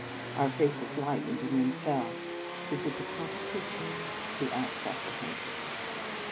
Our faces lightened, and then fell, " Is it the competition ?" I asked apprehensively.